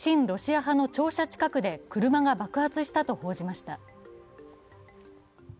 ロシア派の庁舎近くで車が爆発したと報じました。